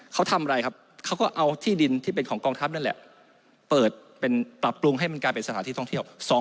เขาทำอะไรครับเขาก็เอาที่ดินที่เป็นของกองทัพนั่นแหละเปิดเป็นปรับปรุงให้มันกลายเป็นสถานที่ท่องเที่ยว